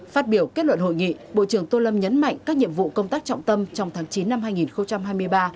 phát biểu kết luận hội nghị bộ trưởng tô lâm nhấn mạnh các nhiệm vụ công tác trọng tâm trong tháng chín năm hai nghìn hai mươi ba